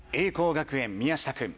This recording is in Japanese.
学園宮下君